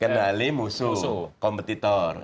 kenali musuh kompetitor